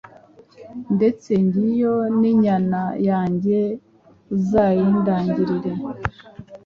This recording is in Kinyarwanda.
ndetse ngiyo n’inyana yange uzayindagirire;